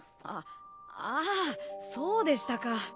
あっあそうでしたか。